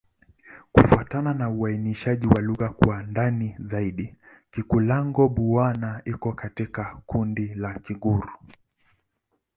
Kufuatana na uainishaji wa lugha kwa ndani zaidi, Kikulango-Bouna iko katika kundi la Kigur.